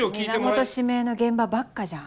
源指名の現場ばっかじゃん。